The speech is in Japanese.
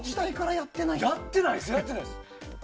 やってないです。